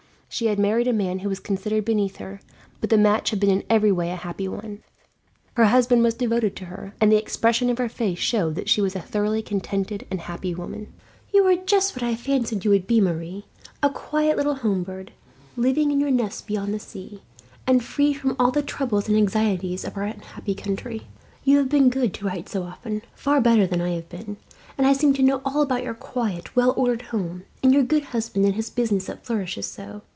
She had married a man who was considered beneath her, but the match had been in every way a happy one. Her husband was devoted to her, and the expression of her face showed that she was a thoroughly contented and happy woman. "You are just what I fancied you would be, Marie, a quiet little home bird, living in your nest beyond the sea, and free from all the troubles and anxieties of our unhappy country. You have been good to write so often, far better than I have been; and I seem to know all about your quiet, well ordered home, and your good husband and his business that flourishes so.